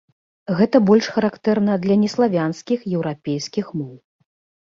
Гэта больш характэрна для неславянскіх еўрапейскіх моў.